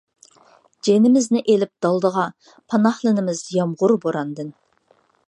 جېنىمىزنى ئېلىپ دالدىغا، پاناھلىنىمىز يامغۇر، بوراندىن.